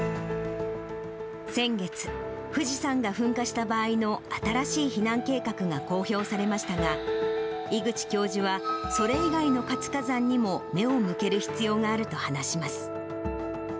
先月、富士山が噴火した場合の新しい避難計画が公表されましたが、井口教授は、それ以外の活火山にも目を向ける必要があると話します。